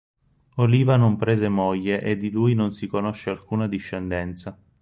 Oliva non prese moglie e di lui non si conosce alcuna discendenza.